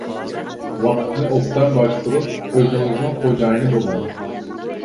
ۋاقىتنى ئوبدان باشقۇرۇپ، ئۆزىڭىزنىڭ خوجايىنى بولۇڭ.